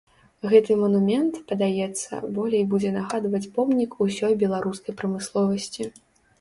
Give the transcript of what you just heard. Гэты манумент, падаецца, болей будзе нагадваць помнік усёй беларускай прамысловасці.